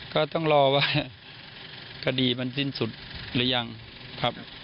ก็ต้องรอว่าคดีมันสิ้นสุดหรือยังครับ